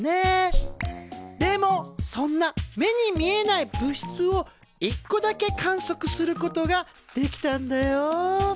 でもそんな目に見えない物質を一個だけ観測することができたんだよ。